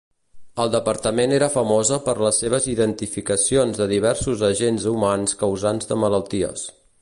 Al departament era famosa per les seves identificacions de diversos agents humans causants de malalties.